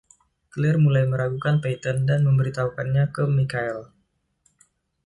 Claire mulai meragukan “Peyton” dan memberitahukannya ke Michael.